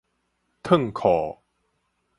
褪褲